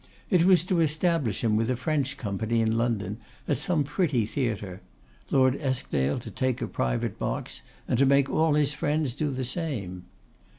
It was to establish him with a French Company in London at some pretty theatre; Lord Eskdale to take a private box and to make all his friends do the same.